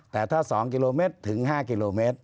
แต่ถ้า๒กิโลเมตรถึง๕กิโลเมตร